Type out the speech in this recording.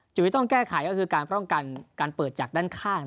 จุดที่ต้องแก้ไขก็คือการป้องกันการเปิดจากด้านข้าง